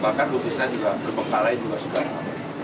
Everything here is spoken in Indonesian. bahkan lukisan juga kepengkalai juga sudah lama